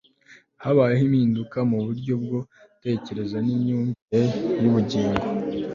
habayeho impinduka mu buryo bwo gutekereza n'imyumvire y'ubugingo